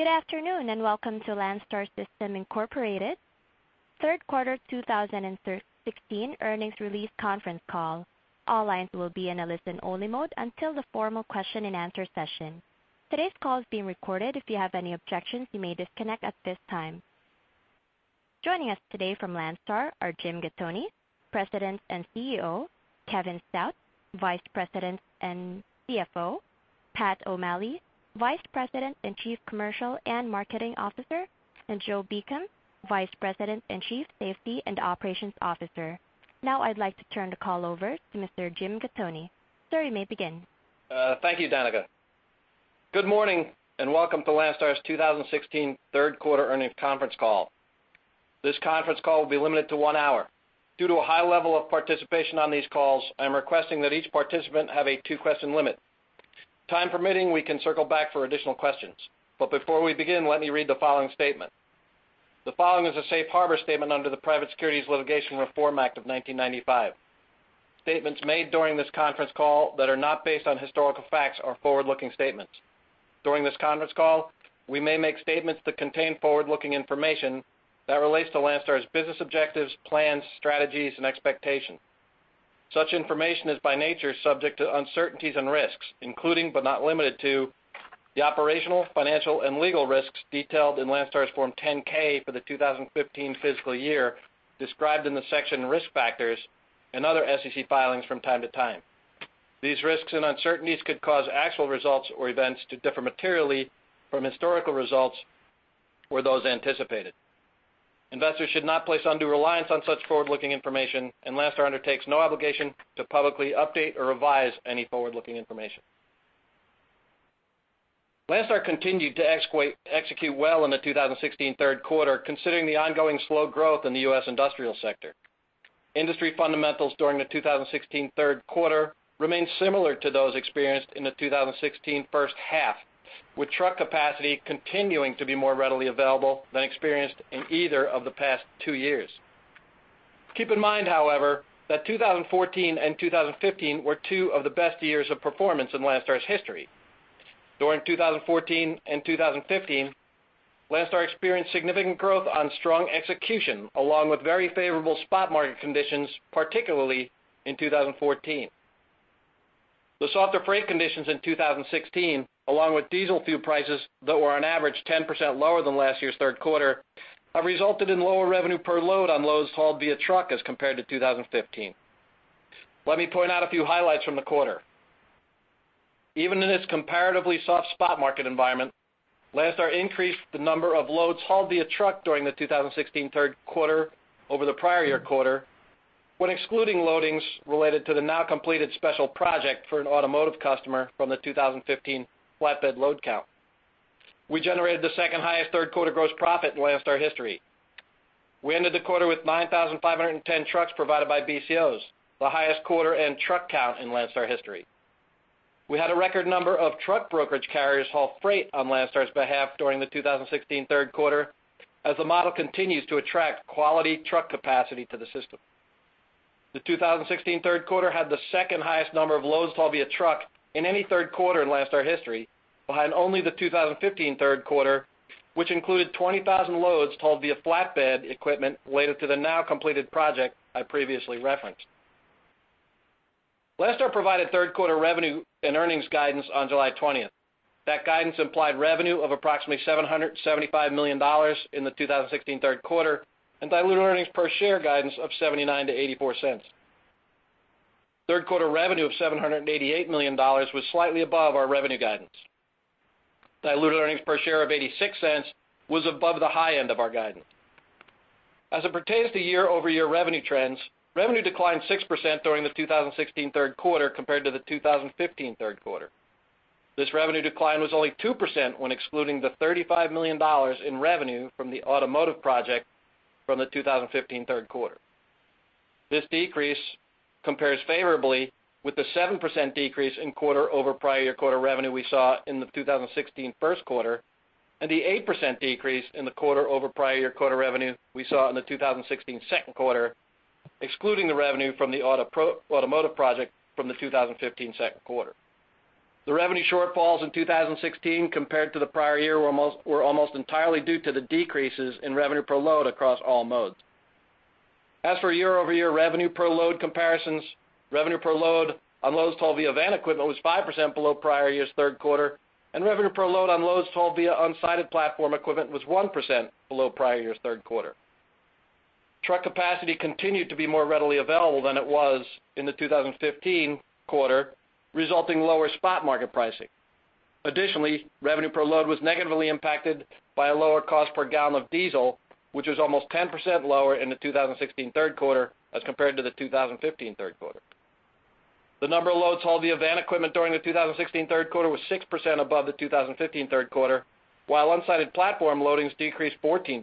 Good afternoon, and welcome to Landstar System Incorporated third quarter 2016 earnings release conference call. All lines will be in a listen-only mode until the formal question-and-answer session. Today's call is being recorded. If you have any objections, you may disconnect at this time. Joining us today from Landstar are Jim Gattoni, President and CEO; Kevin Stout, Vice President and CFO; Pat O'Malley, Vice President and Chief Commercial and Marketing Officer; and Joe Beacom, Vice President and Chief Safety and Operations Officer. Now I'd like to turn the call over to Mr. Jim Gattoni. Sir, you may begin. Thank you, Danica. Good morning, and welcome to Landstar's 2016 third quarter earnings conference call. This conference call will be limited to one hour. Due to a high level of participation on these calls, I'm requesting that each participant have a two-question limit. Time permitting, we can circle back for additional questions. Before we begin, let me read the following statement. The following is a safe harbor statement under the Private Securities Litigation Reform Act of 1995. Statements made during this conference call that are not based on historical facts are forward-looking statements. During this conference call, we may make statements that contain forward-looking information that relates to Landstar's business objectives, plans, strategies, and expectations. Such information is, by nature, subject to uncertainties and risks, including, but not limited to, the operational, financial, and legal risks detailed in Landstar's Form 10-K for the 2015 fiscal year, described in the section Risk Factors and other SEC filings from time to time. These risks and uncertainties could cause actual results or events to differ materially from historical results or those anticipated. Investors should not place undue reliance on such forward-looking information, and Landstar undertakes no obligation to publicly update or revise any forward-looking information. Landstar continued to execute well in the 2016 third quarter, considering the ongoing slow growth in the U.S. industrial sector. Industry fundamentals during the 2016 third quarter remained similar to those experienced in the 2016 first half, with truck capacity continuing to be more readily available than experienced in either of the past two years. Keep in mind, however, that 2014 and 2015 were two of the best years of performance in Landstar's history. During 2014 and 2015, Landstar experienced significant growth on strong execution, along with very favorable spot market conditions, particularly in 2014. The softer freight conditions in 2016, along with diesel fuel prices that were on average 10% lower than last year's third quarter, have resulted in lower revenue per load on loads hauled via truck as compared to 2015. Let me point out a few highlights from the quarter. Even in this comparatively soft spot market environment, Landstar increased the number of loads hauled via truck during the 2016 third quarter over the prior year quarter, when excluding loadings related to the now-completed special project for an automotive customer from the 2015 flatbed load count. We generated the second-highest third quarter gross profit in Landstar history. We ended the quarter with 9,510 trucks provided by BCOs, the highest quarter and truck count in Landstar history. We had a record number of truck brokerage carriers haul freight on Landstar's behalf during the 2016 third quarter, as the model continues to attract quality truck capacity to the system. The 2016 third quarter had the second-highest number of loads hauled via truck in any third quarter in Landstar history, behind only the 2015 third quarter, which included 20,000 loads hauled via flatbed equipment related to the now-completed project I previously referenced. Landstar provided third quarter revenue and earnings guidance on July 20. That guidance implied revenue of approximately $775 million in the 2016 third quarter, and diluted earnings per share guidance of $0.79-$0.84. Third quarter revenue of $788 million was slightly above our revenue guidance. Diluted earnings per share of $0.86 was above the high end of our guidance. As it pertains to year-over-year revenue trends, revenue declined 6% during the 2016 third quarter compared to the 2015 third quarter. This revenue decline was only 2% when excluding the $35 million in revenue from the automotive project from the 2015 third quarter. This decrease compares favorably with the 7% decrease in quarter over prior year quarter revenue we saw in the 2016 first quarter, and the 8% decrease in the quarter over prior year quarter revenue we saw in the 2016 second quarter, excluding the revenue from the automotive project from the 2015 second quarter. The revenue shortfalls in 2016 compared to the prior year were almost, were almost entirely due to the decreases in revenue per load across all modes. As for year-over-year revenue per load comparisons, revenue per load on loads hauled via van equipment was 5% below prior year's third quarter, and revenue per load on loads hauled via unsided platform equipment was 1% below prior year's third quarter. Truck capacity continued to be more readily available than it was in the 2015 quarter, resulting in lower spot market pricing. Additionally, revenue per load was negatively impacted by a lower cost per gallon of diesel, which was almost 10% lower in the 2016 third quarter as compared to the 2015 third quarter. The number of loads hauled via van equipment during the 2016 third quarter was 6% above the 2015 third quarter, while unsided platform loadings decreased 14%.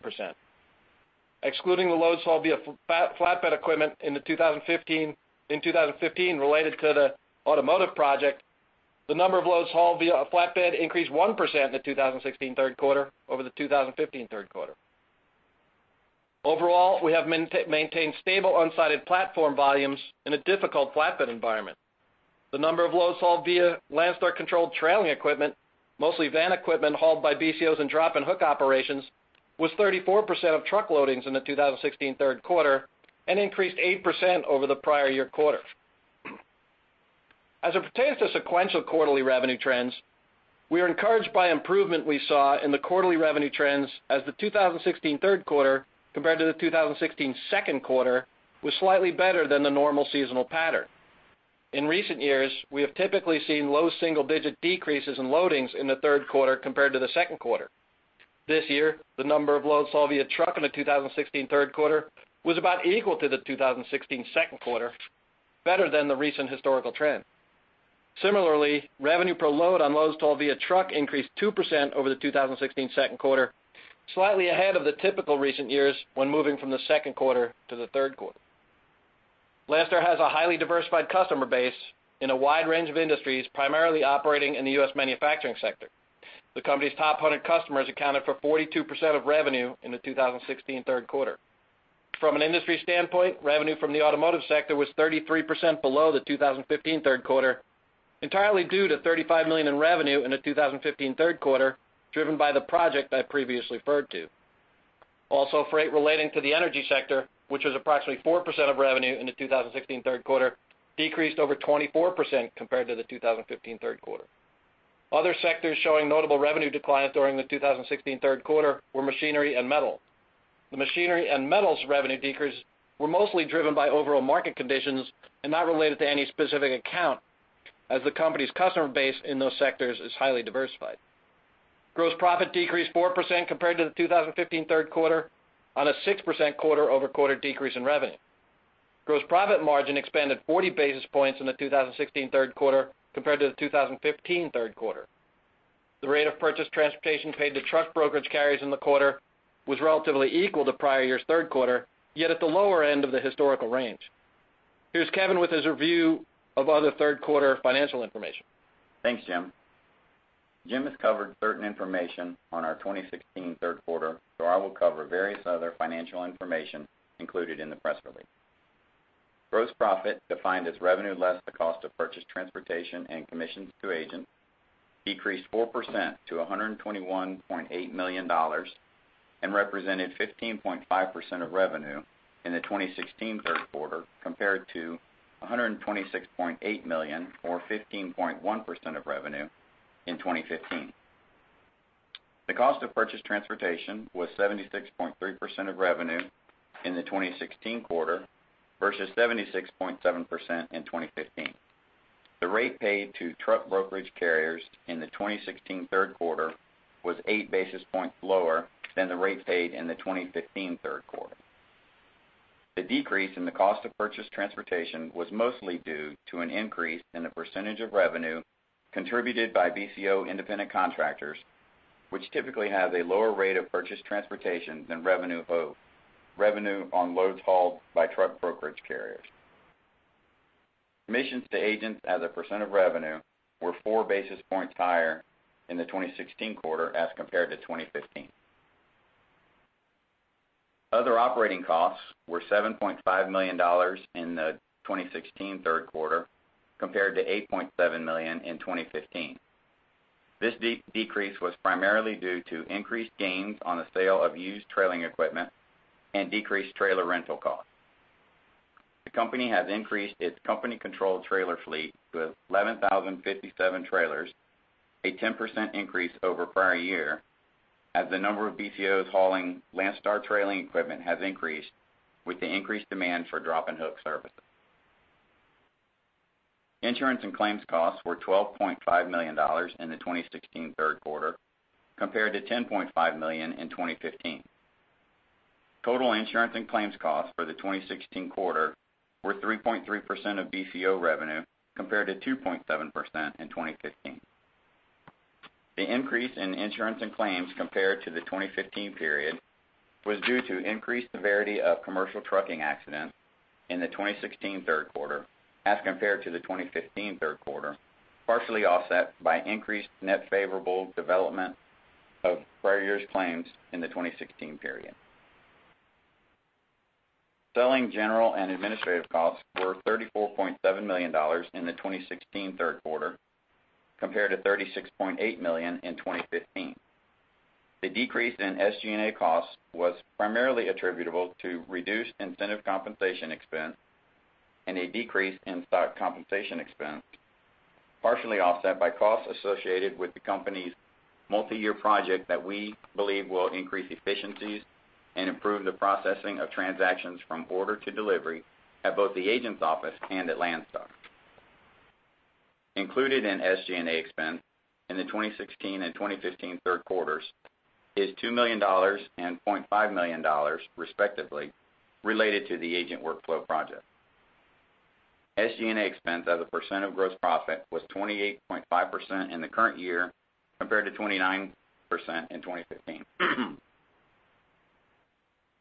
Excluding the loads hauled via flatbed equipment in 2015—in 2015 related to the automotive project, the number of loads hauled via flatbed increased 1% in the 2016 third quarter over the 2015 third quarter. Overall, we have maintained stable unsided platform volumes in a difficult flatbed environment. The number of loads hauled via Landstar-controlled trailing equipment, mostly van equipment hauled by BCOs and drop and hook operations, was 34% of truck loadings in the 2016 third quarter and increased 8% over the prior year quarter. As it pertains to sequential quarterly revenue trends, we are encouraged by improvement we saw in the quarterly revenue trends as the 2016 third quarter compared to the 2016 second quarter, was slightly better than the normal seasonal pattern. In recent years, we have typically seen low single-digit decreases in loadings in the third quarter compared to the second quarter. This year, the number of loads hauled via truck in the 2016 third quarter was about equal to the 2016 second quarter, better than the recent historical trend. Similarly, revenue per load on loads hauled via truck increased 2% over the 2016 second quarter, slightly ahead of the typical recent years when moving from the second quarter to the third quarter. Landstar has a highly diversified customer base in a wide range of industries, primarily operating in the U.S. manufacturing sector. The company's top 100 customers accounted for 42% of revenue in the 2016 third quarter. From an industry standpoint, revenue from the automotive sector was 33% below the 2015 third quarter, entirely due to $35 million in revenue in the 2015 third quarter, driven by the project I previously referred to. Also, freight relating to the energy sector, which was approximately 4% of revenue in the 2016 third quarter, decreased over 24% compared to the 2015 third quarter. Other sectors showing notable revenue declines during the 2016 third quarter were machinery and metals. The machinery and metals revenue decreases were mostly driven by overall market conditions and not related to any specific account, as the company's customer base in those sectors is highly diversified. Gross profit decreased 4% compared to the 2015 third quarter on a 6% quarter-over-quarter decrease in revenue. Gross profit margin expanded 40 basis points in the 2016 third quarter compared to the 2015 third quarter. The rate of purchased transportation paid to truck brokerage carriers in the quarter was relatively equal to prior year's third quarter, yet at the lower end of the historical range. Here's Kevin with his review of other third quarter financial information. Thanks, Jim. Jim has covered certain information on our 2016 third quarter, so I will cover various other financial information included in the press release. Gross profit, defined as revenue less the cost of purchased transportation and commissions to agents, decreased 4% to $121.8 million, and represented 15.5% of revenue in the 2016 third quarter, compared to $126.8 million, or 15.1% of revenue, in 2015. The cost of purchased transportation was 76.3% of revenue in the 2016 quarter versus 76.7% in 2015. The rate paid to truck brokerage carriers in the 2016 third quarter was 8 basis points lower than the rate paid in the 2015 third quarter. The decrease in the cost of purchased transportation was mostly due to an increase in the percentage of revenue contributed by BCO independent contractors, which typically have a lower rate of purchased transportation than revenue on loads hauled by truck brokerage carriers. Commissions to agents as a percent of revenue were four basis points higher in the 2016 quarter as compared to 2015. Other operating costs were $7.5 million in the 2016 third quarter compared to $8.7 million in 2015. This decrease was primarily due to increased gains on the sale of used trailer equipment and decreased trailer rental costs. The company has increased its company-controlled trailer fleet to 11,057 trailers, a 10% increase over prior year, as the number of BCOs hauling Landstar trailer equipment has increased with the increased demand for drop and hook services. Insurance and claims costs were $12.5 million in the 2016 third quarter, compared to $10.5 million in 2015. Total insurance and claims costs for the 2016 quarter were 3.3% of BCO revenue, compared to 2.7% in 2015. The increase in insurance and claims compared to the 2015 period was due to increased severity of commercial trucking accidents in the 2016 third quarter as compared to the 2015 third quarter, partially offset by increased net favorable development of prior year's claims in the 2016 period. Selling, general, and administrative costs were $34.7 million in the 2016 third quarter, compared to $36.8 million in 2015. The decrease in SG&A costs was primarily attributable to reduced incentive compensation expense and a decrease in stock compensation expense, partially offset by costs associated with the company's multiyear project that we believe will increase efficiencies and improve the processing of transactions from order to delivery at both the agent's office and at Landstar. Included in SG&A expense in the 2016 and 2015 third quarters is $2 million and $0.5 million, respectively, related to the agent workflow project. SG&A expense as a percent of gross profit was 28.5% in the current year, compared to 29% in 2015.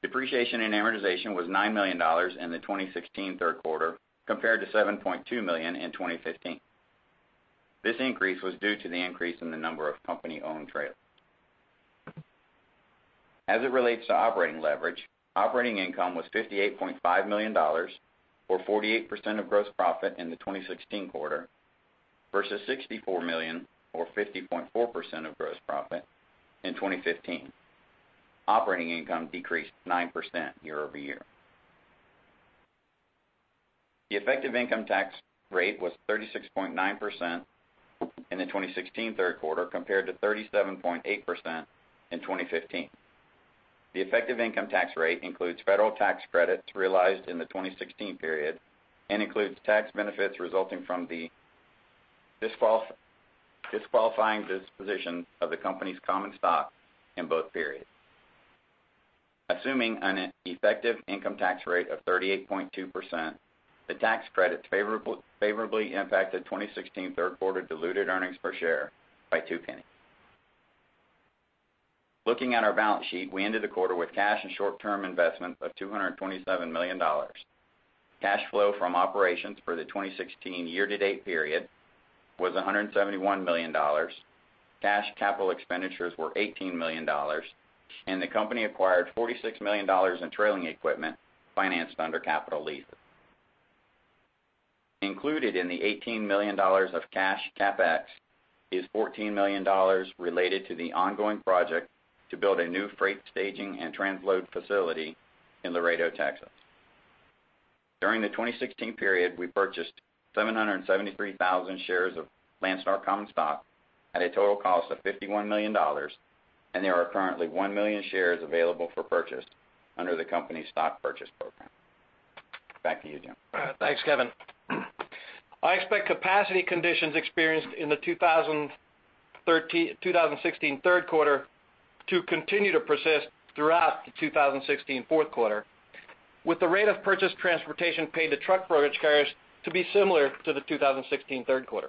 Depreciation and amortization was $9 million in the 2016 third quarter, compared to $7.2 million in 2015. This increase was due to the increase in the number of company-owned trailers. As it relates to operating leverage, operating income was $58.5 million, or 48% of gross profit in the 2016 quarter, versus $64 million, or 50.4% of gross profit in 2015. Operating income decreased 9% year-over-year. The effective income tax rate was 36.9% in the 2016 third quarter, compared to 37.8% in 2015. The effective income tax rate includes federal tax credits realized in the 2016 period and includes tax benefits resulting from the disqualifying disposition of the company's common stock in both periods. Assuming an effective income tax rate of 38.2%, the tax credit favorably, favorably impacted 2016 third quarter diluted earnings per share by $0.02. Looking at our balance sheet, we ended the quarter with cash and short-term investments of $227 million. Cash flow from operations for the 2016 year-to-date period was $171 million. Cash capital expenditures were $18 million, and the company acquired $46 million in trailing equipment financed under capital leases. Included in the $18 million of cash CapEx is $14 million related to the ongoing project to build a new freight staging and transload facility in Laredo, Texas. During the 2016 period, we purchased 773,000 shares of Landstar common stock at a total cost of $51 million, and there are currently 1 million shares available for purchase under the company's stock purchase program. Back to you, Jim. Thanks, Kevin. I expect capacity conditions experienced in the 2016 third quarter to continue to persist throughout the 2016 fourth quarter, with the rate of purchased transportation paid to truck brokerage carriers to be similar to the 2016 third quarter.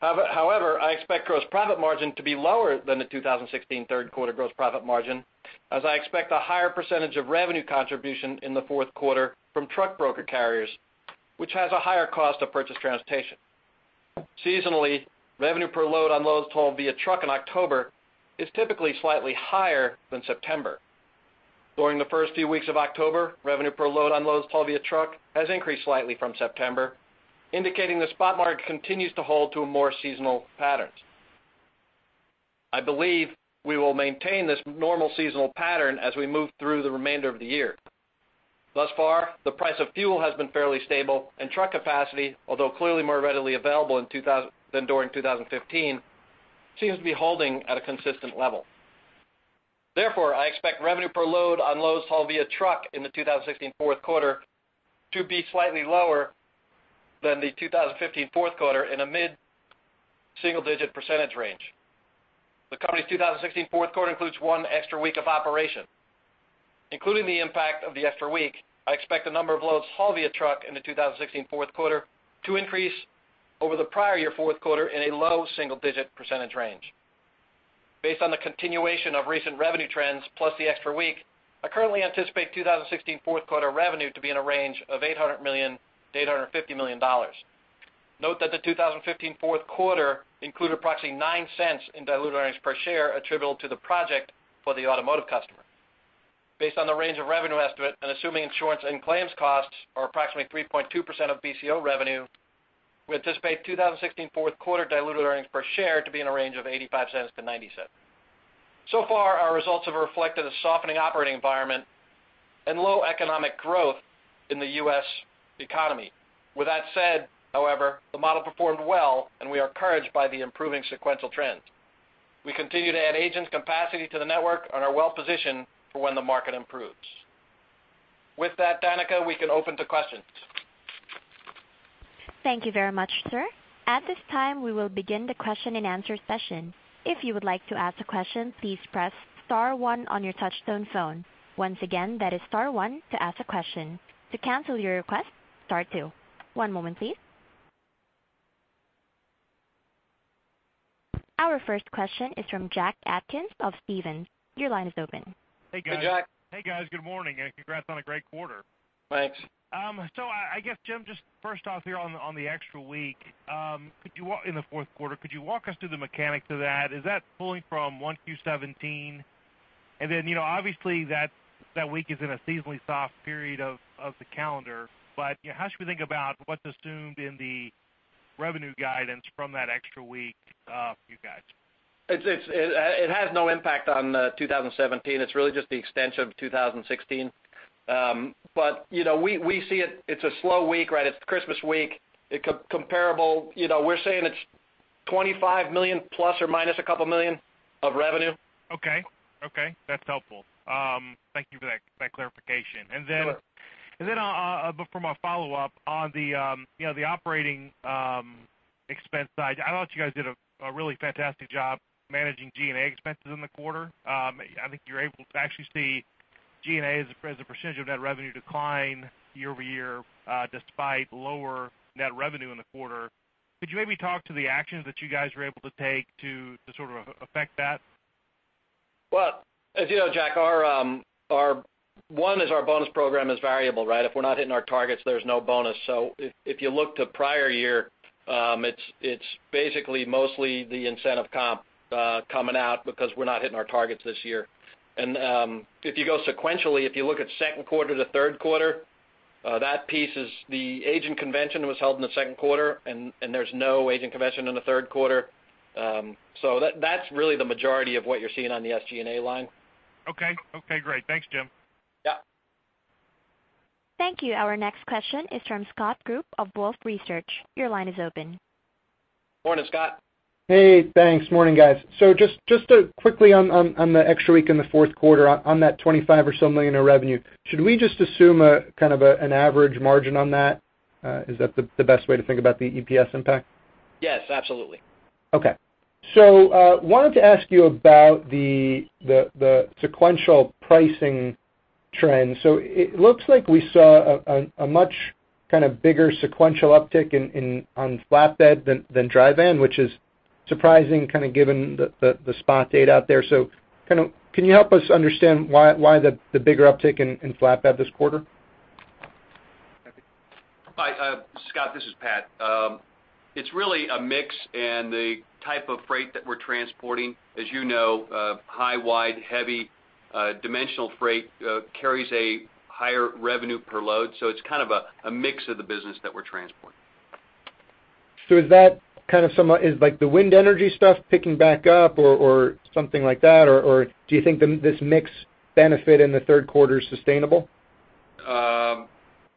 However, I expect gross profit margin to be lower than the 2016 third quarter gross profit margin, as I expect a higher percentage of revenue contribution in the fourth quarter from truck broker carriers, which has a higher cost of purchased transportation. Seasonally, revenue per load on loads hauled via truck in October is typically slightly higher than September. During the first few weeks of October, revenue per load on loads hauled via truck has increased slightly from September, indicating the spot market continues to hold to more seasonal patterns. I believe we will maintain this normal seasonal pattern as we move through the remainder of the year. Thus far, the price of fuel has been fairly stable, and truck capacity, although clearly more readily available in 2016 than during 2015, seems to be holding at a consistent level. Therefore, I expect revenue per load on loads hauled via truck in the 2016 fourth quarter to be slightly lower than the 2015 fourth quarter in a mid-single-digit percentage range. The company's 2016 fourth quarter includes one extra week of operation. Including the impact of the extra week, I expect the number of loads hauled via truck in the 2016 fourth quarter to increase over the prior year fourth quarter in a low single-digit percentage range. Based on the continuation of recent revenue trends plus the extra week, I currently anticipate 2016 fourth quarter revenue to be in a range of $800 million-$850 million. Note that the 2015 fourth quarter included approximately $0.09 in diluted earnings per share attributable to the project for the automotive customer. Based on the range of revenue estimate and assuming insurance and claims costs are approximately 3.2% of BCO revenue, we anticipate 2016 fourth quarter diluted earnings per share to be in a range of $0.85-$0.90. So far, our results have reflected a softening operating environment and low economic growth in the U.S. economy. With that said, however, the model performed well, and we are encouraged by the improving sequential trends. We continue to add agents' capacity to the network and are well positioned for when the market improves. With that, Danica, we can open to questions. Thank you very much, sir. At this time, we will begin the question-and-answer session. If you would like to ask a question, please press star one on your touchtone phone. Once again, that is star one to ask a question. To cancel your request, star two. One moment, please. Our first question is from Jack Atkins of Stephens. Your line is open. Hey, Jack. Hey, guys, good morning, and congrats on a great quarter. Thanks. So, I guess, Jim, just first off here on the extra week, could you walk us through the mechanics of that in the fourth quarter? Is that pulling from 1Q17? And then, you know, obviously, that week is in a seasonally soft period of the calendar. But how should we think about what's assumed in the revenue guidance from that extra week, you guys? It has no impact on 2017. It's really just the extension of 2016. But you know, we see it, it's a slow week, right? It's Christmas week. It's comparable, you know, we're saying it's $25 million ± Okay. Okay, that's helpful. Thank you for that, that clarification. Sure. And then, but for my follow-up on the, you know, the operating expense side, I thought you guys did a really fantastic job managing G&A expenses in the quarter. I think you're able to actually see G&A as a percentage of net revenue decline year-over-year, despite lower net revenue in the quarter. Could you maybe talk to the actions that you guys were able to take to sort of effect that?... Well, as you know, Jack, our one is our bonus program is variable, right? If we're not hitting our targets, there's no bonus. So if you look to prior year, it's basically mostly the incentive comp coming out because we're not hitting our targets this year. If you go sequentially, if you look at second quarter to third quarter, that piece is the agent convention was held in the second quarter, and there's no agent convention in the third quarter. So that's really the majority of what you're seeing on the SG&A line. Okay. Okay, great. Thanks, Jim. Yeah. Thank you. Our next question is from Scott Group of Wolfe Research. Your line is open. Morning, Scott. Hey, thanks. Morning, guys. So just quickly on the extra week in the fourth quarter, on that $25 million or so in revenue, should we just assume a kind of an average margin on that? Is that the best way to think about the EPS impact? Yes, absolutely. Okay. So, wanted to ask you about the sequential pricing trends. So it looks like we saw a much kind of bigger sequential uptick in flatbed than dry van, which is surprising, kind of given the spot data out there. So kind of, can you help us understand why the bigger uptick in flatbed this quarter? Hi, Scott, this is Pat. It's really a mix in the type of freight that we're transporting. As you know, high, wide, heavy, dimensional freight carries a higher revenue per load, so it's kind of a mix of the business that we're transporting. So is that kind of somewhat... Is, like, the wind energy stuff picking back up or, or something like that, or, or do you think this mix benefit in the third quarter is sustainable?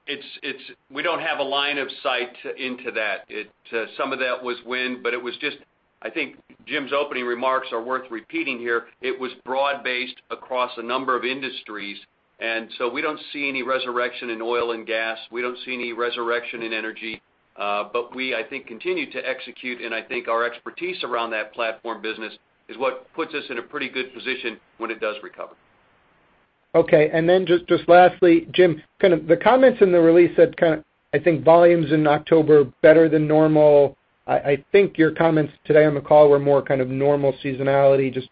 It's -- we don't have a line of sight into that. It, some of that was wind, but it was just... I think Jim's opening remarks are worth repeating here. It was broad-based across a number of industries, and so we don't see any resurrection in oil and gas. We don't see any resurrection in energy, but we, I think, continue to execute, and I think our expertise around that platform business is what puts us in a pretty good position when it does recover. Okay, and then just lastly, Jim, kind of the comments in the release said kind of, I think, volumes in October, better than normal. I think your comments today on the call were more kind of normal seasonality, just,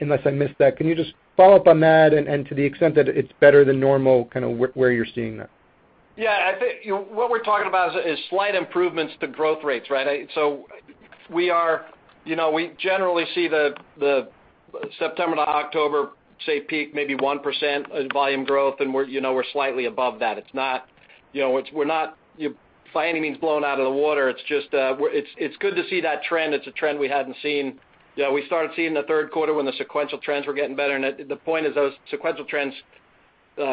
unless I missed that. Can you just follow up on that and, to the extent that it's better than normal, kind of where you're seeing that? Yeah, I think, you know, what we're talking about is slight improvements to growth rates, right? So we are, you know, we generally see the September to October, say, peak, maybe 1% volume growth, and we're, you know, we're slightly above that. It's not, you know, it's, we're not, by any means, blown out of the water. It's just, it's good to see that trend. It's a trend we hadn't seen. Yeah, we started seeing the third quarter when the sequential trends were getting better, and the point is, those sequential trends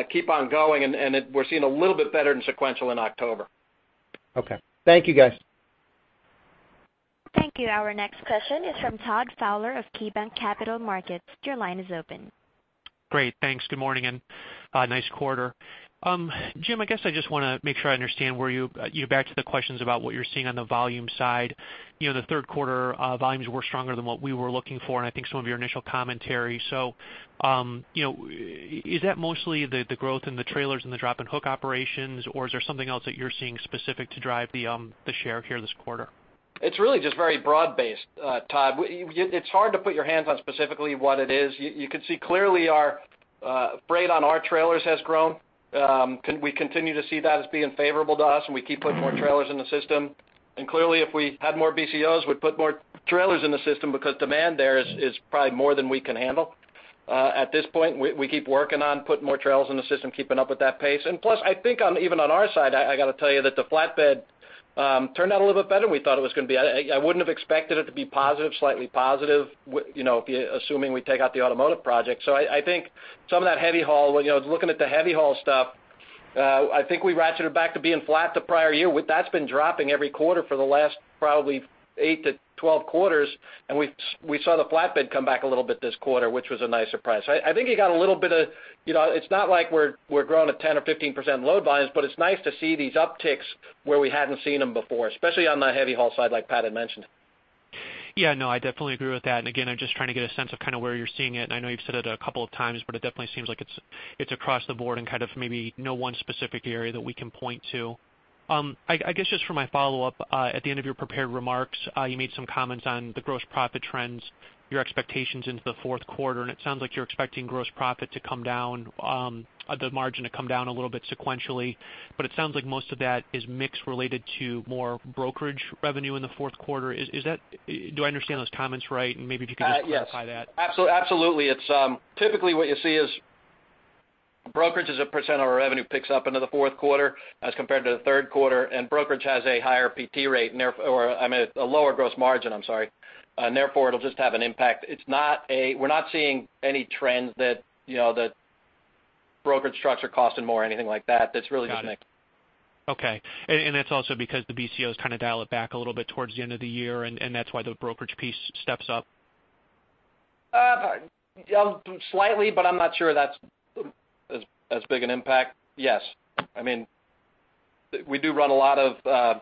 keep on going, and it, we're seeing a little bit better than sequential in October. Okay. Thank you, guys. Thank you. Our next question is from Todd Fowler of KeyBanc Capital Markets. Your line is open. Great, thanks. Good morning, and nice quarter. Jim, I guess I just want to make sure I understand where you, you know, back to the questions about what you're seeing on the volume side. You know, the third quarter volumes were stronger than what we were looking for, and I think some of your initial commentary. So, you know, is that mostly the growth in the trailers and the drop-and-hook operations, or is there something else that you're seeing specific to drive the share here this quarter? It's really just very broad-based, Todd. It's hard to put your hands on specifically what it is. You could see clearly our freight on our trailers has grown. We continue to see that as being favorable to us, and we keep putting more trailers in the system. And clearly, if we had more BCOs, we'd put more trailers in the system because demand there is probably more than we can handle. At this point, we keep working on putting more trailers in the system, keeping up with that pace. And plus, I think even on our side, I got to tell you that the flatbed turned out a little bit better than we thought it was going to be. I wouldn't have expected it to be positive, slightly positive, you know, assuming we take out the automotive project. So I think some of that heavy haul, well, you know, looking at the heavy haul stuff, I think we ratcheted back to being flat the prior year. That's been dropping every quarter for the last probably eight to 12 quarters, and we saw the flatbed come back a little bit this quarter, which was a nice surprise. I think you got a little bit of... You know, it's not like we're growing at 10% or 15% load volumes, but it's nice to see these upticks where we hadn't seen them before, especially on the heavy haul side, like Pat had mentioned. Yeah, no, I definitely agree with that. And again, I'm just trying to get a sense of kind of where you're seeing it. I know you've said it a couple of times, but it definitely seems like it's, it's across the board and kind of maybe no one specific area that we can point to. I guess, just for my follow-up, at the end of your prepared remarks, you made some comments on the gross profit trends, your expectations into the fourth quarter, and it sounds like you're expecting gross profit to come down, at the margin, to come down a little bit sequentially. But it sounds like most of that is mix related to more brokerage revenue in the fourth quarter. Is that -- do I understand those comments right? And maybe if you could just clarify that. Yes. Absolutely. It's typically what you see is brokerage as a percent of our revenue picks up into the fourth quarter as compared to the third quarter, and brokerage has a higher PT rate, and therefore, or, I mean, a lower gross margin, I'm sorry, and therefore it'll just have an impact. It's not a – we're not seeing any trends that, you know, that brokerage structure costing more or anything like that. That's really just a mix. Got it. Okay. And, and that's also because the BCOs kind of dial it back a little bit towards the end of the year, and, and that's why the brokerage piece steps up? Slightly, but I'm not sure that's as big an impact. Yes. I mean, we do run a lot of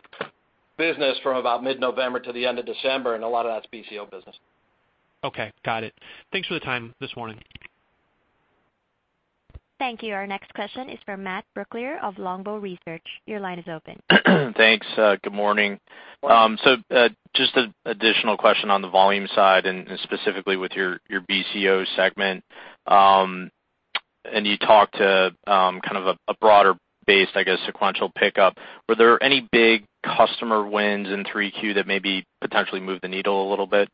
business from about mid-November to the end of December, and a lot of that's BCO business. Okay, got it. Thanks for the time this morning. Thank you. Our next question is from Matt Brooklier of Longbow Research. Your line is open. Thanks, good morning. So, just an additional question on the volume side, and specifically with your BCO segment. And you talked to kind of a broader base, I guess, sequential pickup. Were there any big customer wins in 3Q that maybe potentially moved the needle a little bit?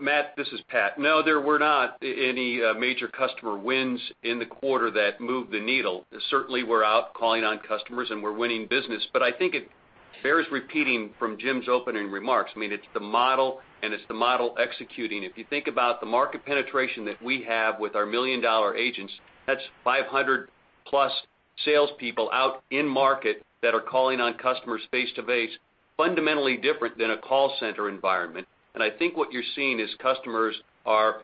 Matt, this is Pat. No, there were not any major customer wins in the quarter that moved the needle. Certainly, we're out calling on customers, and we're winning business, but I think it bears repeating from Jim's opening remarks. I mean, it's the model, and it's the model executing. If you think about the market penetration that we have with our million-dollar agents, that's 500+ salespeople out in market that are calling on customers face-to-face, fundamentally different than a call center environment. And I think what you're seeing is customers are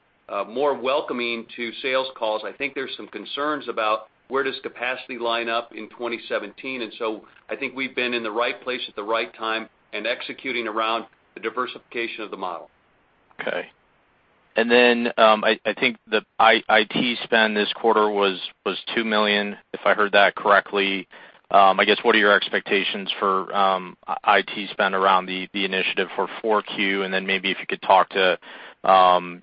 more welcoming to sales calls. I think there's some concerns about where does capacity line up in 2017, and so I think we've been in the right place at the right time and executing around the diversification of the model. Okay. And then, I think the IT spend this quarter was $2 million, if I heard that correctly. I guess, what are your expectations for IT spend around the initiative for 4Q? And then maybe if you could talk to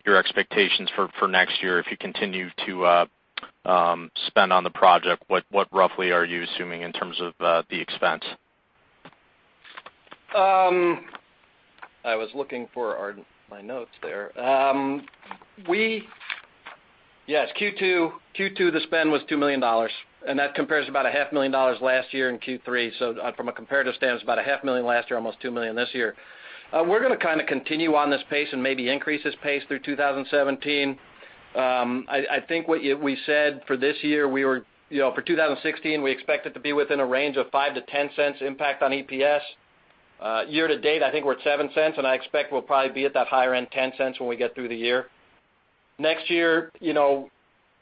your expectations for next year, if you continue to spend on the project, what roughly are you assuming in terms of the expense? I was looking for our, my notes there. We, yes, Q2, Q2, the spend was $2 million, and that compares to about $500,000 last year in Q3. So, from a comparative stance, about $500,000 last year, almost $2 million this year. We're going to kind of continue on this pace and maybe increase this pace through 2017. I think what we said for this year, we were, you know, for 2016, we expect it to be within a range of $0.05-$0.10 impact on EPS. Year to date, I think we're at $0.07, and I expect we'll probably be at that higher end, $0.10, when we get through the year. Next year, you know,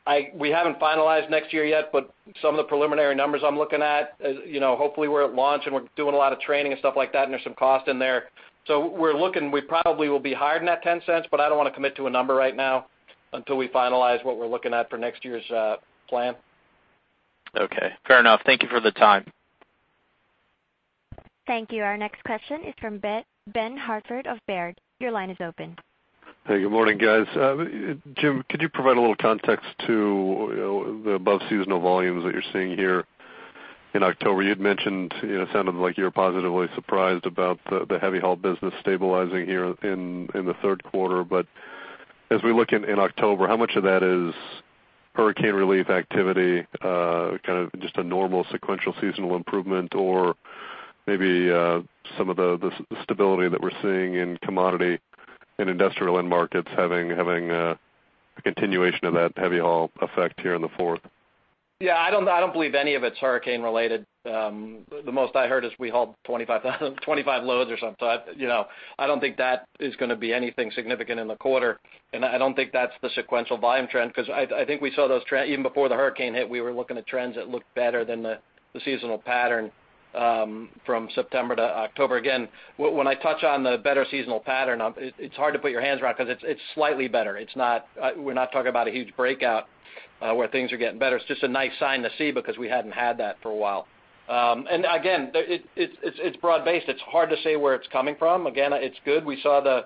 I—we haven't finalized next year yet, but some of the preliminary numbers I'm looking at, as, you know, hopefully, we're at launch, and we're doing a lot of training and stuff like that, and there's some cost in there. So we're looking, we probably will be higher than that $0.10, but I don't want to commit to a number right now until we finalize what we're looking at for next year's plan. Okay, fair enough. Thank you for the time. Thank you. Our next question is from Ben Hartford of Baird. Your line is open. Hey, good morning, guys. Jim, could you provide a little context to, you know, the above seasonal volumes that you're seeing here in October? You'd mentioned, you know, sounded like you were positively surprised about the heavy haul business stabilizing here in the third quarter. But as we look in October, how much of that is hurricane relief activity, kind of just a normal sequential seasonal improvement, or maybe some of the stability that we're seeing in commodity and industrial end markets having a continuation of that heavy haul effect here in the fourth? Yeah, I don't, I don't believe any of it's hurricane related. The most I heard is we hauled 25,000, 25 loads or something. So I, you know, I don't think that is going to be anything significant in the quarter, and I, I don't think that's the sequential volume trend, because I, I think we saw those trend even before the hurricane hit. We were looking at trends that looked better than the seasonal pattern, from September to October. Again, when I touch on the better seasonal pattern, it's hard to put your hands around because it's slightly better. It's not, we're not talking about a huge breakout, where things are getting better. It's just a nice sign to see because we hadn't had that for a while. And again, it's broad-based. It's hard to say where it's coming from. Again, it's good. We saw the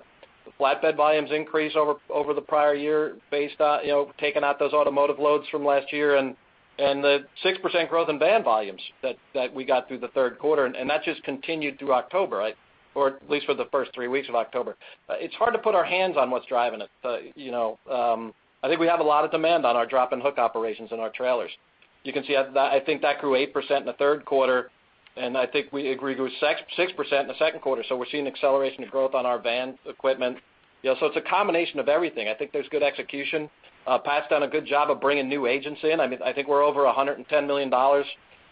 flatbed volumes increase over the prior year, based on, you know, taking out those automotive loads from last year, and the 6% growth in van volumes that we got through the third quarter, and that just continued through October or at least for the first three weeks of October. It's hard to put our hands on what's driving it. You know, I think we have a lot of demand on our drop and hook operations and our trailers. You can see that, I think that grew 8% in the third quarter, and I think we agreed it was 6, 6% in the second quarter, so we're seeing acceleration of growth on our van equipment. You know, so it's a combination of everything. I think there's good execution. Pat's done a good job of bringing new agents in. I mean, I think we're over $110 million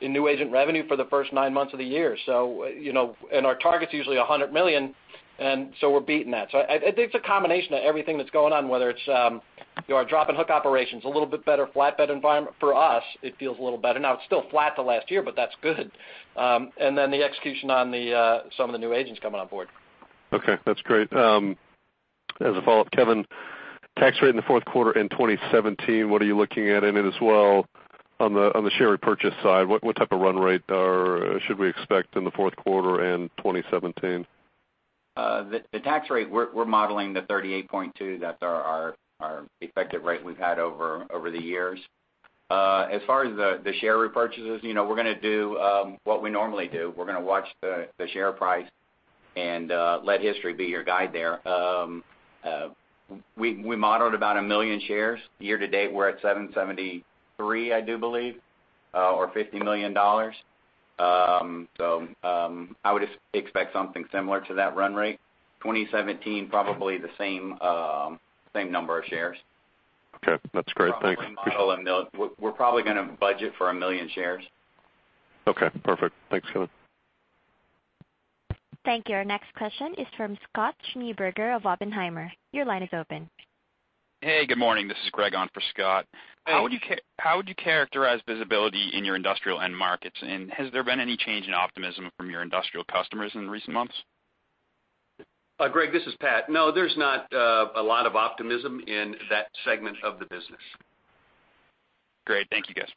in new agent revenue for the first nine months of the year. So, you know, and our target's usually $100 million, and so we're beating that. So I think it's a combination of everything that's going on, whether it's, you know, our drop and hook operations, a little bit better flatbed environment. For us, it feels a little better. Now, it's still flat to last year, but that's good. And then the execution on the, some of the new agents coming on board. Okay, that's great. As a follow-up, Kevin, tax rate in the fourth quarter in 2017, what are you looking at in it as well on the, on the share repurchase side? What, what type of run rate are -- should we expect in the fourth quarter and 2017? The tax rate we're modeling the 38.2%. That's our effective rate we've had over the years. As far as the share repurchases, you know, we're going to do what we normally do. We're going to watch the share price and let history be your guide there. We modeled about 1 million shares. Year to date, we're at 773, I do believe, or $50 million. So, I would expect something similar to that run rate. 2017, probably the same same number of shares. Okay, that's great. Thank you.... We're probably going to budget for 1 million shares. Okay, perfect. Thanks, Kevin. Thank you. Our next question is from Scott Schneeberger of Oppenheimer. Your line is open. Hey, good morning. This is Greg on for Scott. Hey. How would you characterize visibility in your industrial end markets, and has there been any change in optimism from your industrial customers in recent months? ... Greg, this is Pat. No, there's not a lot of optimism in that segment of the business. Great. Thank you, guys.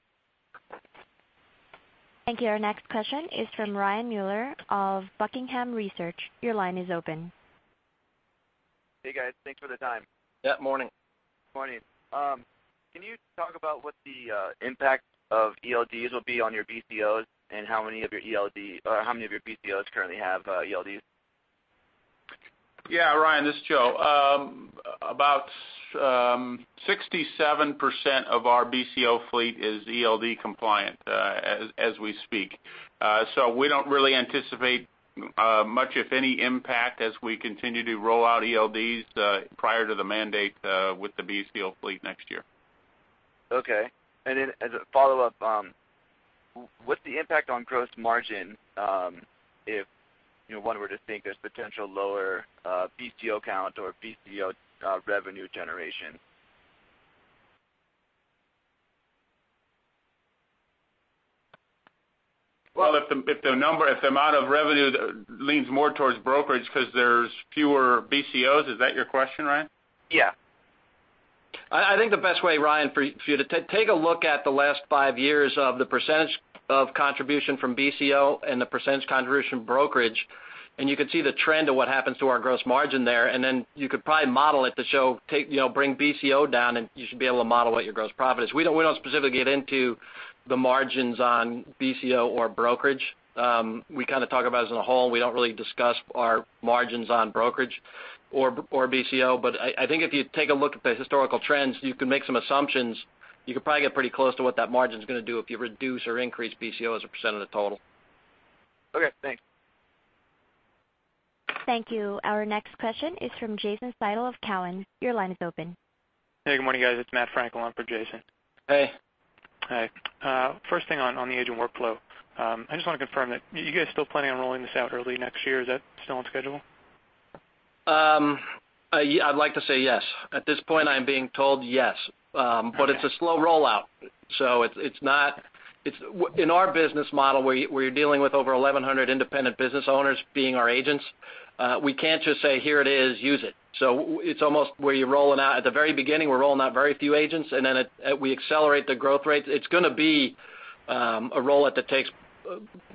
Thank you. Our next question is from Ryan Mueller of Buckingham Research. Your line is open. Hey, guys. Thanks for the time. Yeah, morning. Morning. Can you talk about what the impact of ELDs will be on your BCOs, and how many of your BCOs currently have ELDs? Yeah, Ryan, this is Joe. About 67% of our BCO fleet is ELD compliant, as we speak. So we don't really anticipate much of any impact as we continue to roll out ELDs prior to the mandate with the BCO fleet next year. Okay. As a follow-up, what's the impact on gross margin if you know one were to think there's potential lower BCO count or BCO revenue generation? Well, if the amount of revenue leans more towards brokerage because there's fewer BCOs, is that your question, Ryan? Yeah. I think the best way, Ryan, for you to take a look at the last five years of the percentage of contribution from BCO and the percentage contribution brokerage, and you can see the trend of what happens to our gross margin there. And then you could probably model it to show, you know, bring BCO down, and you should be able to model what your gross profit is. We don't specifically get into the margins on BCO or brokerage. We kind of talk about it as a whole. We don't really discuss our margins on brokerage or BCO. But I think if you take a look at the historical trends, you can make some assumptions. You could probably get pretty close to what that margin is going to do if you reduce or increase BCO as a percent of the total. Okay, thanks. Thank you. Our next question is from Jason Seidel of Cowen. Your line is open. Hey, good morning, guys. It's Matt Frankel on for Jason. Hey. Hi. First thing on the agent workflow, I just want to confirm that you guys still planning on rolling this out early next year. Is that still on schedule? Yeah, I'd like to say yes. At this point, I'm being told yes. But it's a slow rollout, so it's in our business model, where you're dealing with over 1,100 independent business owners being our agents, we can't just say, "Here it is, use it." So it's almost where you're rolling out, at the very beginning, we're rolling out very few agents, and then it, we accelerate the growth rates. It's going to be a rollout that takes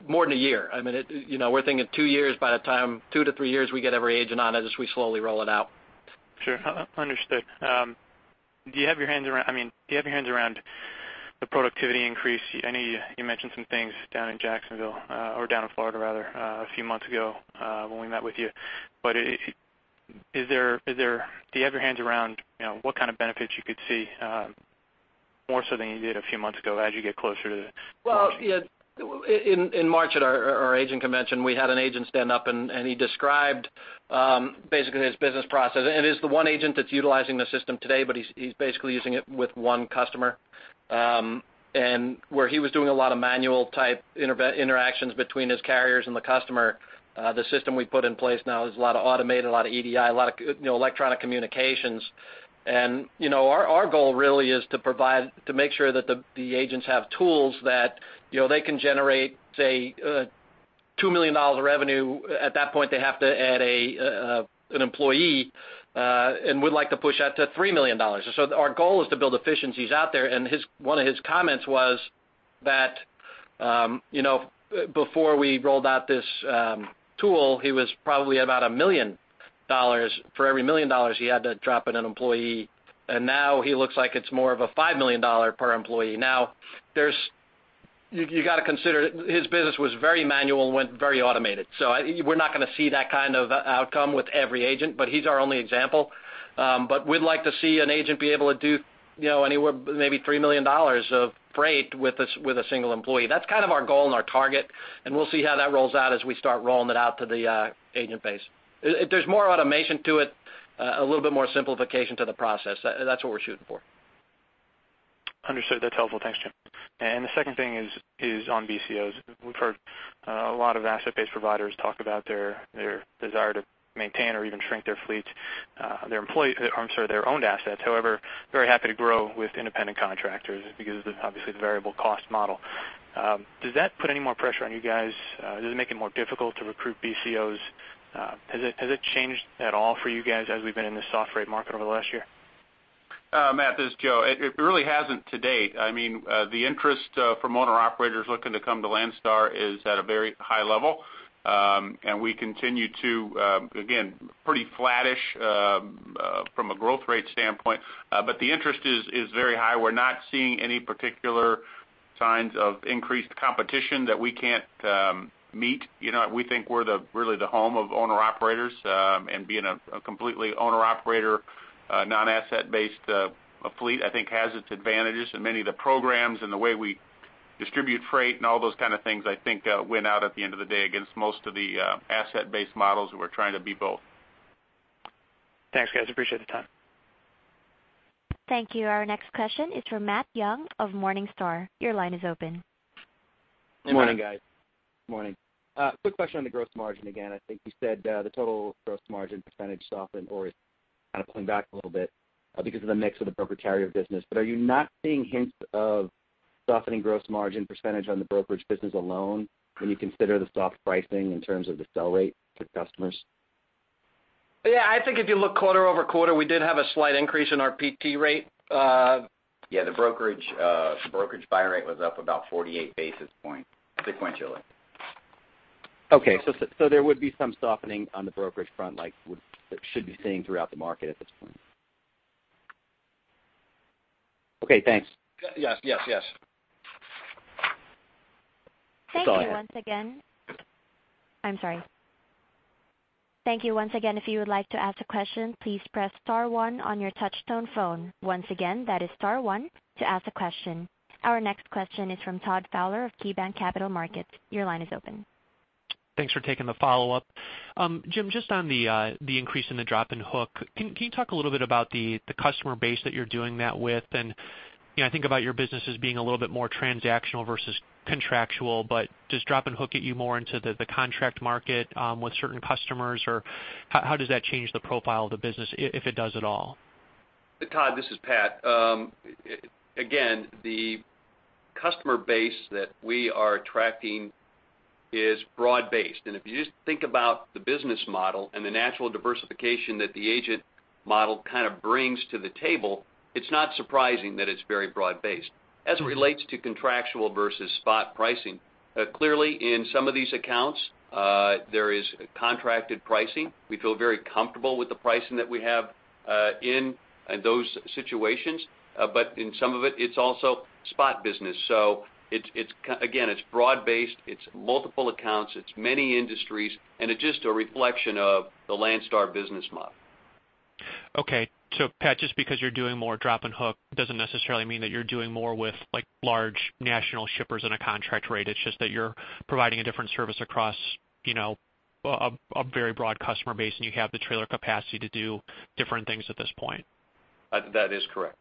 more than a year. I mean, it, you know, we're thinking two years by the time, two to three years, we get every agent on as we slowly roll it out. Sure. Understood. Do you have your hands around, I mean, do you have your hands around the productivity increase? I know you mentioned some things down in Jacksonville, or down in Florida, rather, a few months ago, when we met with you. But is there? Do you have your hands around, you know, what kind of benefits you could see, more so than you did a few months ago as you get closer to the- Well, yeah, in March, at our agent convention, we had an agent stand up, and he described basically his business process. And it is the one agent that's utilizing the system today, but he's basically using it with one customer. And where he was doing a lot of manual type interactions between his carriers and the customer, the system we put in place now is a lot of automated, a lot of EDI, a lot of, you know, electronic communications. And, you know, our goal really is to provide, to make sure that the agents have tools that, you know, they can generate, say, $2 million of revenue. At that point, they have to add an employee, and we'd like to push that to $3 million. So our goal is to build efficiencies out there. And his, one of his comments was that, you know, before we rolled out this tool, he was probably about $1 million. For every $1 million, he had to drop in an employee, and now he looks like it's more of a $5 million per employee. Now, there's, you got to consider, his business was very manual and went very automated. So I, we're not going to see that kind of outcome with every agent, but he's our only example. But we'd like to see an agent be able to do, you know, anywhere, maybe $3 million of freight with a single employee. That's kind of our goal and our target, and we'll see how that rolls out as we start rolling it out to the agent base. There's more automation to it, a little bit more simplification to the process. That's what we're shooting for. Understood. That's helpful. Thanks, Jim. And the second thing is on BCOs. We've heard a lot of asset-based providers talk about their desire to maintain or even shrink their fleets, their own assets. However, very happy to grow with independent contractors because of, obviously, the variable cost model. Does that put any more pressure on you guys? Does it make it more difficult to recruit BCOs? Has it changed at all for you guys as we've been in this soft freight market over the last year? Matt, this is Joe. It really hasn't to date. I mean, the interest from owner-operators looking to come to Landstar is at a very high level. And we continue to, again, pretty flattish from a growth rate standpoint, but the interest is very high. We're not seeing any particular signs of increased competition that we can't meet. You know, we think we're really the home of owner-operators, and being a completely owner-operator non-asset-based fleet, I think has its advantages. And many of the programs and the way we distribute freight and all those kind of things, I think win out at the end of the day against most of the asset-based models. We're trying to be both. Thanks, guys. Appreciate the time. Thank you. Our next question is from Matt Young of Morningstar. Your line is open. Good morning, guys. Morning. Quick question on the gross margin again. I think you said, the total gross margin percentage softened or is kind of pulling back a little bit, because of the mix of the broker carrier business. But are you not seeing hints of softening gross margin percentage on the brokerage business alone, when you consider the soft pricing in terms of the sell rate to customers? Yeah, I think if you look quarter-over-quarter, we did have a slight increase in our PT rate. Yeah, the brokerage brokerage buy rate was up about 48 basis points sequentially. Okay, so there would be some softening on the brokerage front, like should be seeing throughout the market at this point? Okay, thanks. Yes. Yes, yes. Thank you once again. I'm sorry. Thank you once again. If you would like to ask a question, please press star one on your touchtone phone. Once again, that is star one to ask a question. Our next question is from Todd Fowler of KeyBanc Capital Markets. Your line is open. Thanks for taking the follow-up. Jim, just on the increase in the drop and hook, can you talk a little bit about the customer base that you're doing that with? And, you know, I think about your business as being a little bit more transactional versus contractual, but does drop and hook get you more into the contract market with certain customers, or how does that change the profile of the business, if it does at all? Todd, this is Pat. Again, the customer base that we are attracting is broad-based, and if you just think about the business model and the natural diversification that the agent model kind of brings to the table, it's not surprising that it's very broad-based. As it relates to contractual versus spot pricing, clearly, in some of these accounts, there is contracted pricing. We feel very comfortable with the pricing that we have, in those situations, but in some of it, it's also spot business. So it's, it's, again, it's broad-based, it's multiple accounts, it's many industries, and it's just a reflection of the Landstar business model. Okay. So Pat, just because you're doing more drop and hook, doesn't necessarily mean that you're doing more with, like, large national shippers on a contract rate. It's just that you're providing a different service across, you know, a very broad customer base, and you have the trailer capacity to do different things at this point. That is correct.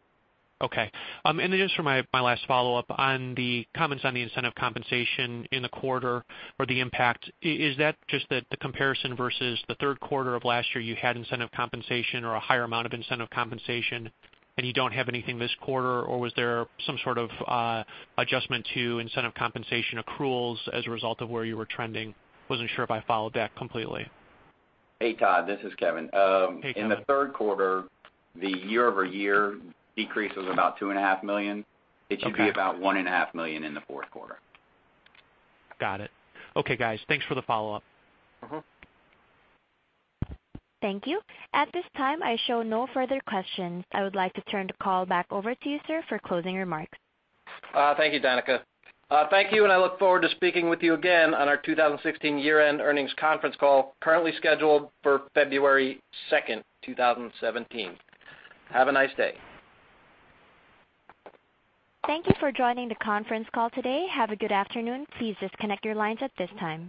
Okay. And then just for my, my last follow-up, on the comments on the incentive compensation in the quarter or the impact, is, is that just that the comparison versus the third quarter of last year, you had incentive compensation or a higher amount of incentive compensation, and you don't have anything this quarter? Or was there some sort of adjustment to incentive compensation accruals as a result of where you were trending? Wasn't sure if I followed that completely. Hey, Todd, this is Kevin. Hey, Kevin. In the third quarter, the year-over-year decrease was about $2.5 million. Okay. It should be about $1.5 million in the fourth quarter. Got it. Okay, guys. Thanks for the follow-up. Mm-hmm. Thank you. At this time, I show no further questions. I would like to turn the call back over to you, sir, for closing remarks. Thank you, Danica. Thank you, and I look forward to speaking with you again on our 2016 year-end earnings conference call, currently scheduled for February second, 2017. Have a nice day. Thank you for joining the conference call today. Have a good afternoon. Please disconnect your lines at this time.